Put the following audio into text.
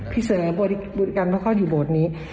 พี่เสิร์ฟบทกันเขาเข้าอยู่โบสถ์นี้